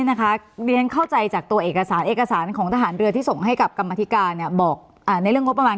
ของทหารเรือที่ส่งให้กับกรรมธิการบอกอ่าเรื่องงบประมาณเขาเขาเรียกว่าคือการขอปรับร้อยงบประมาณ